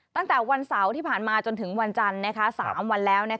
ตั้งแต่วันเสาร์ที่ผ่านมาจนถึงวันจันทร์๓วันแล้ว